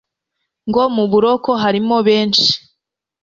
Ngo mu buroko harimo benshi